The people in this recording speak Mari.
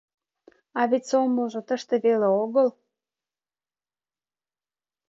А вет сомылжо тыште веле огыл.